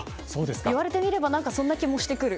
言われてみればそんな気もしてくる。